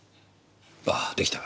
ああ出来た。